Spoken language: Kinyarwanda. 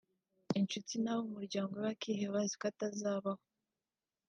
inshuti n’abo mu muryango we bakiheba baziko atazabaho